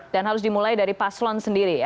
dan harus dimulai dari paslon sendiri ya